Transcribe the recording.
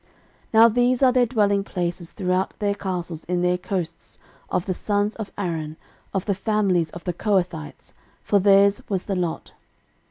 13:006:054 Now these are their dwelling places throughout their castles in their coasts, of the sons of Aaron, of the families of the Kohathites: for theirs was the lot.